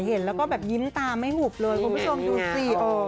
เห็นแล้วก็แบบยิ้มตาไม่หุบเลยคุณผู้ชมดูสิ